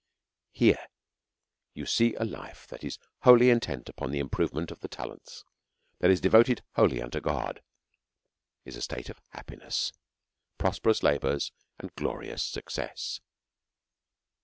Here you see a life that is wholly intent upon the improvement of the talents that is devoted wholly un to God, is a state of happiness, prosperous labours, and glorious success.